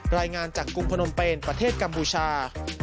รายงานจากกรุงพนมเป็นประเทศกัมพูชา